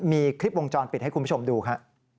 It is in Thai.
มีคลิปวงจรปิดให้คุณผู้ชมดูฮะ